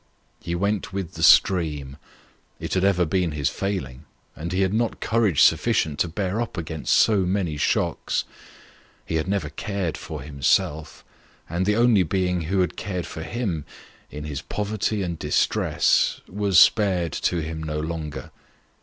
He went with the stream it had ever been his failing, and he had not courage sufficient to bear up against so many shocks he had never cared for himself, and the only being who had cared for him, in his poverty and distress, was spared to him no longer.